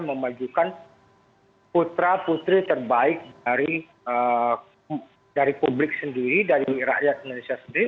memajukan putra putri terbaik dari publik sendiri dari rakyat indonesia sendiri